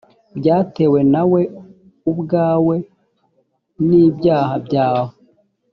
byatewe nawe ubwawe n’ ibyaha byawe